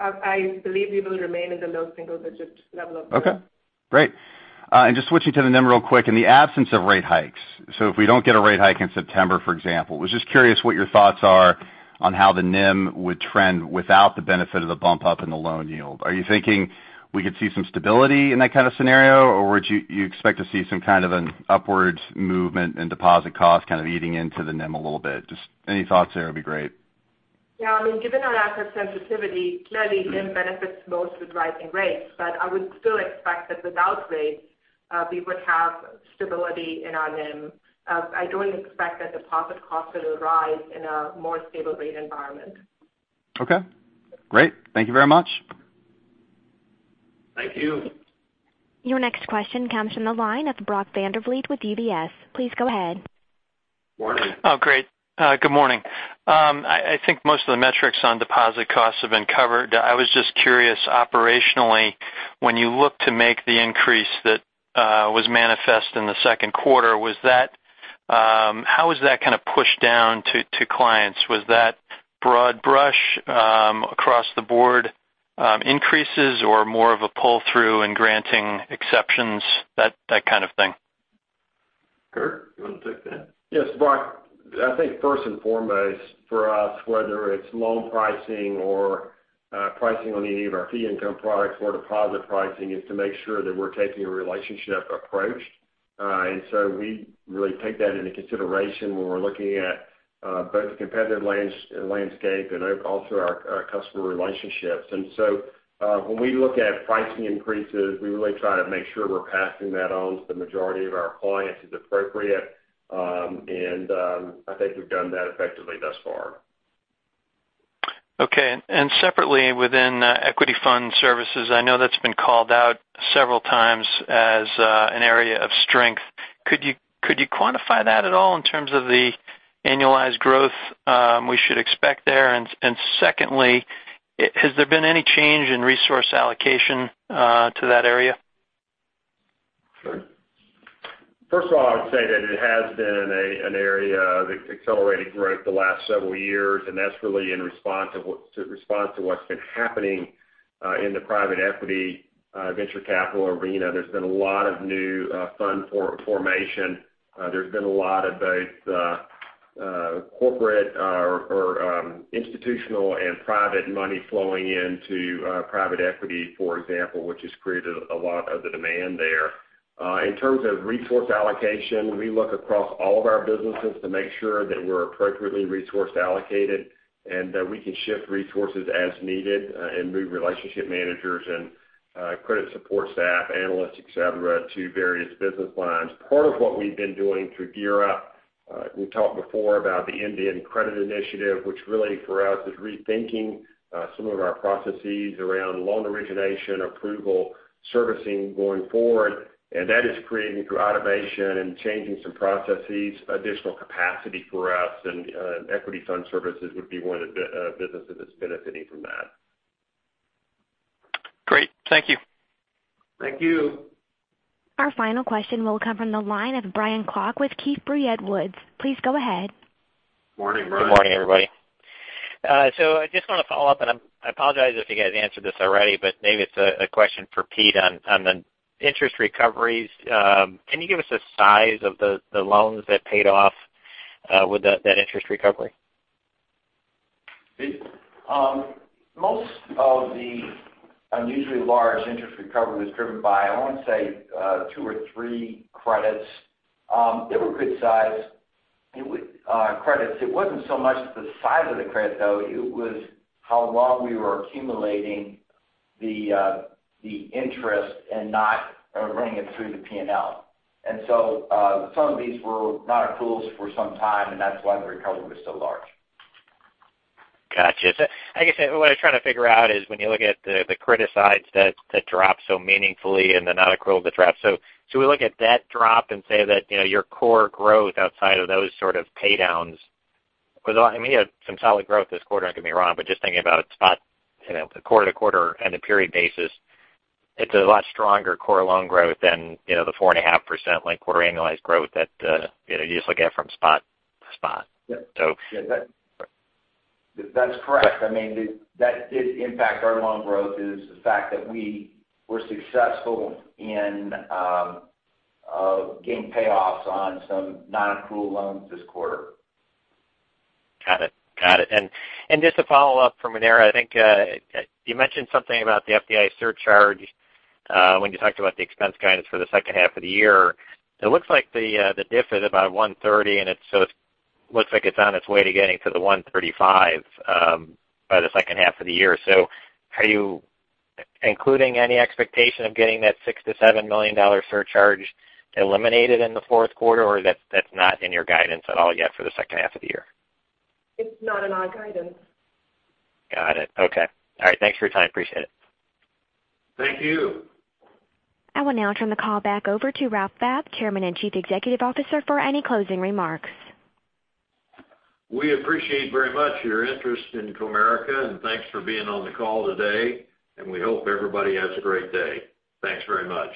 I believe we will remain in the low single-digit level of growth. Okay, great. Just switching to the NIM real quick. In the absence of rate hikes, so if we don't get a rate hike in September, for example, was just curious what your thoughts are on how the NIM would trend without the benefit of the bump-up in the loan yield. Are you thinking we could see some stability in that kind of scenario, or would you expect to see some kind of an upwards movement in deposit costs kind of eating into the NIM a little bit? Just any thoughts there would be great. Yeah, I mean, given our asset sensitivity, clearly NIM benefits most with rising rates. I would still expect that without rates, we would have stability in our NIM. I don't expect that deposit costs will rise in a more stable rate environment. Okay, great. Thank you very much. Thank you. Your next question comes from the line of Brock Vandervliet with UBS. Please go ahead. Morning. Oh, great. Good morning. I think most of the metrics on deposit costs have been covered. I was just curious operationally when you look to make the increase that was manifest in the second quarter, how was that kind of pushed down to clients? Was that broad brush across the board increases or more of a pull through in granting exceptions, that kind of thing? Curt, you want to take that? Yes, Brock. I think first and foremost for us, whether it's loan pricing or pricing on any of our fee income products or deposit pricing, is to make sure that we're taking a relationship approach. So we really take that into consideration when we're looking at both the competitive landscape and also our customer relationships. So when we look at pricing increases, we really try to make sure we're passing that on to the majority of our clients as appropriate. I think we've done that effectively thus far. Okay. Separately within equity fund services, I know that's been called out several times as an area of strength. Could you quantify that at all in terms of the annualized growth we should expect there? And secondly, has there been any change in resource allocation to that area? Sure. First of all, I would say that it has been an area of accelerated growth the last several years, and that's really in response to what's been happening in the private equity venture capital arena. There's been a lot of new fund formation. There's been a lot of both corporate or institutional and private money flowing into private equity, for example, which has created a lot of the demand there. In terms of resource allocation, we look across all of our businesses to make sure that we're appropriately resource allocated, and that we can shift resources as needed and move relationship managers and credit support staff, analysts, et cetera, to various business lines. Part of what we've been doing through GEAR Up, we've talked before about the end-to-end credit initiative, which really for us is rethinking some of our processes around loan origination, approval, servicing going forward. That is creating through automation and changing some processes, additional capacity for us, and equity fund services would be one of the businesses that's benefiting from that. Thank you. Thank you. Our final question will come from the line of Brian Klock with Keefe, Bruyette & Woods. Please go ahead. Morning, Brian. Good morning, everybody. I just want to follow up, and I apologize if you guys answered this already, but maybe it's a question for Pete on the interest recoveries. Can you give us the size of the loans that paid off with that interest recovery? Most of the unusually large interest recovery was driven by, I want to say, two or three credits. They were good sized credits. It wasn't so much the size of the credit, though. It was how long we were accumulating the interest and not running it through the P&L. Some of these were non-accruals for some time, and that's why the recovery was so large. Got you. I guess what I'm trying to figure out is when you look at the credit sides that drop so meaningfully and the non-accrual that drops. We look at that drop and say that your core growth outside of those sort of paydowns, because you had some solid growth this quarter, don't get me wrong, but just thinking about it spot, the quarter-to-quarter and the period basis, it's a lot stronger core loan growth than the 4.5% linked quarter annualized growth that you usually get from spot. Yeah. That's correct. That did impact our loan growth is the fact that we were successful in getting payoffs on some non-accrual loans this quarter. Got it. Just to follow up from there, I think you mentioned something about the FDIC surcharge when you talked about the expense guidance for the second half of the year. It looks like the DIF is about 130, it looks like it's on its way to getting to the 135 by the second half of the year. Are you including any expectation of getting that $6 million-$7 million surcharge eliminated in the fourth quarter, or that's not in your guidance at all yet for the second half of the year? It's not in our guidance. Got it. Okay. All right. Thanks for your time. Appreciate it. Thank you. I will now turn the call back over to Ralph Babb, Chairman and Chief Executive Officer, for any closing remarks. We appreciate very much your interest in Comerica, and thanks for being on the call today, and we hope everybody has a great day. Thanks very much.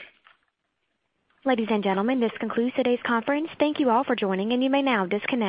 Ladies and gentlemen, this concludes today's conference. Thank you all for joining, and you may now disconnect.